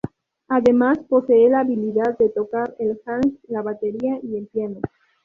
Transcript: Además, posee la habilidad de tocar el hang, la batería y el piano.